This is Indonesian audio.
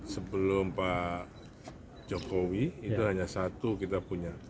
sebelum pak jokowi itu hanya satu kita punya